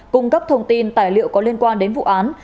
cung cấp thông tin tài liệu có liên quan đến vụ án